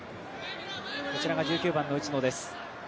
こちらが１９番の内野です。